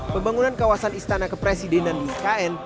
pembangunan kawasan istana kepresidenan di ikn